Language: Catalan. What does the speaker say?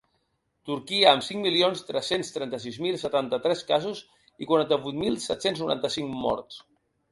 Turquia, amb cinc milions tres-cents trenta-sis mil setanta-tres casos i quaranta-vuit mil set-cents noranta-cinc morts.